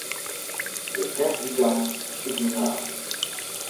De techgigant út Menaam.